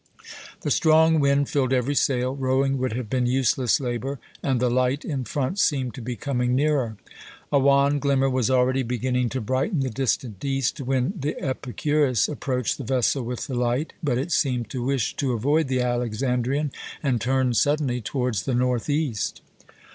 The strong wind filled every sail, rowing would have been useless labour, and the light in front seemed to be coming nearer. A wan glimmer was already beginning to brighten the distant east when the Epicurus approached the vessel with the light, but it seemed to wish to avoid the Alexandrian, and turned suddenly towards the northeast.